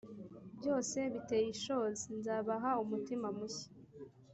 byose biteye ishozi nzabaha umutima mushya